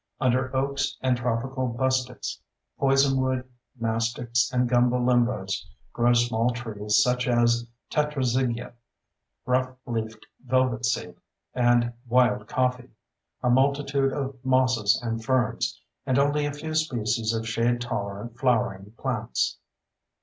Under oaks and tropical bustics, poisonwood, mastics, and gumbo limbos grow small trees such as tetrazygia, rough leaf velvetseed, and wild coffee, a multitude of mosses and ferns, and only a few species of shade tolerant flowering plants.